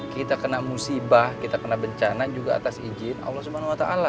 kita kena musibah kita kena bencana juga atas izin allah subhanahu wa ta'ala